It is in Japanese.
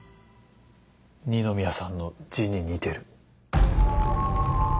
二宮さんの字に似てる。